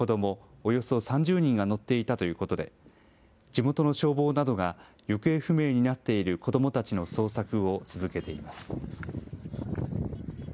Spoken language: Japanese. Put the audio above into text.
およそ３０人が乗っていたということで、地元の消防などが行方不明になっている子どもたちの捜索を続けています。